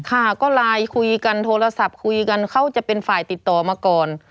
ค่ะก็ไลน์คุยกันโทรศัพท์คุยกันเขาจะเป็นฝ่ายติดต่อมาก่อน